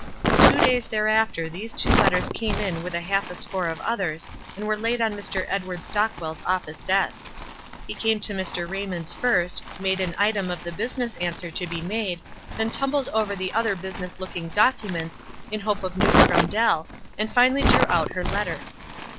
Two days thereafter these two letters came in with half a score of others, and were laid on Mr. Edward StockwelTs office desk. He came to Mr. Eaymond's first, made an item of the business answer to be made, then tumbled over the other business looking documents, in hope of news from Dell, and finally drew out her letter.